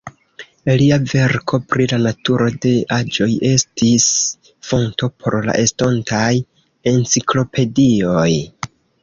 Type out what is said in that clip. Lia verko "Pri la naturo de la aĵoj" estis fonto por la estontaj enciklopedioj.